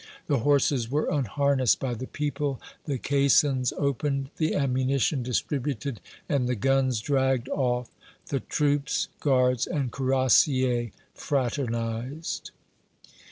The horses were unharnessed by the people, the caissons opened, the ammunition distributed and the guns dragged off. The troops, guards and cuirassiers fraternized.